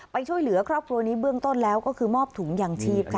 ไปช่วยเหลือครอบครัวนี้เบื้องต้นแล้วก็คือมอบถุงยางชีพค่ะ